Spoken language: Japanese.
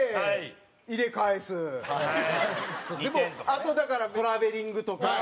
あと、だからトラベリングとか。